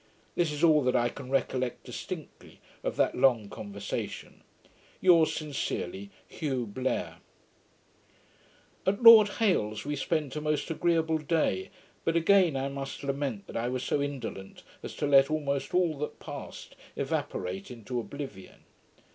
This is all that I can recollect distinctly of that long conversation. Yours sincerely, HUGH BLAIR. At Lord Hailes's, we spent a most agreeable day; but again I must lament that I was so indolent as to let almost all that passed evaporate into oblivion.